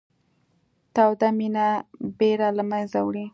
توده مینه بېره له منځه وړي